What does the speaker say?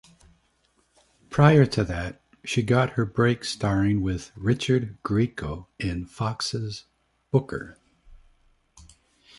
Prior to that, she got her break starring with Richard Grieco in Fox's "Booker".